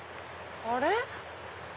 あれ？